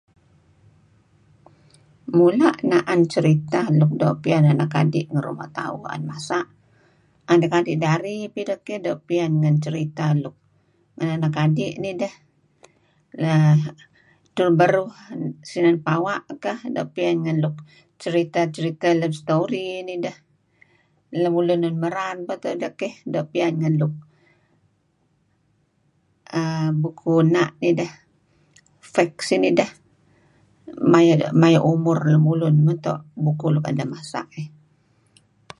Mula' na'an certah' luk doo' piyan anak adi' anak adi' ngi ruma' tauh 'an masa'. Anak adi' dari pideh keh doo' piyan ngen certah anak adi' nideh. err edtur beruh sinan pawa' kah doo' piyan ngen luk ceritah-ceritah love story nideh. Lemulun lun merar beto' ideh keh doo' piyan ngan err bukuh facts nideh, maya' umur teh bukuh luk tu'en deh basa' dih.